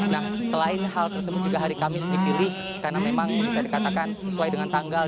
nah selain hal tersebut juga hari kamis dipilih karena memang bisa dikatakan sesuai dengan tanggal